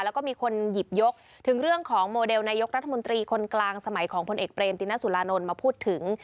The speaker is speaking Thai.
แล้วก็มีคนหยิบยกถึงเรื่องของโมเดลนายกรัฐมนตรีคนกลางสมัยของพลเอกเรมตินสุรานนท์มาพูดถึง